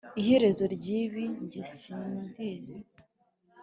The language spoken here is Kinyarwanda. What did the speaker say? iherezo ry’ibi jye sindizi,